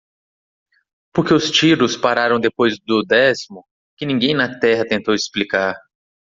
Por que os tiros pararam depois do décimo? que ninguém na Terra tentou explicar.